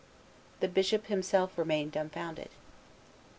The bishop himself remained dumbfounded.